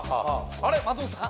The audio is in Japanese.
あれっ松本さん